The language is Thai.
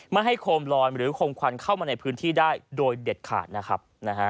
ไม่ให้โคมลอยหรือโคมควันเข้ามาในพื้นที่ได้โดยเด็ดขาดนะครับ